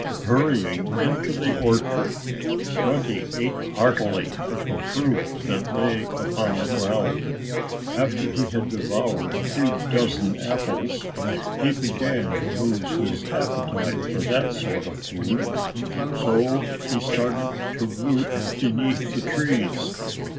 Hurrying into the orchard, Grunty ate heartily of the fruit that lay upon the ground. After he had devoured a few dozen apples he began to lose his appetite for that sort of food. So he started to root beneath the trees.